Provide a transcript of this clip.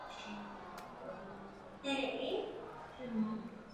Přesto jeho jméno není mimo Braniborsko příliš známé.